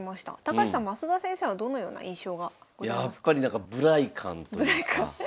高橋さん升田先生はどのような印象がございますか？